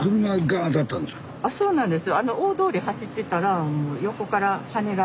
そうなんですよ。